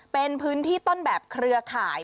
เป็นพื้นที่ต้นแบบเครือข่าย